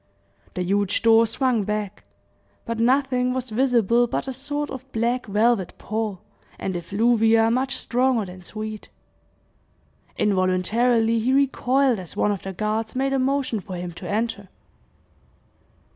The huge door swung back; but nothing was visible but a sort of black velvet pall, and effluvia much stronger than sweet. Involuntarily he recoiled as one of the guards made a motion for him to enter.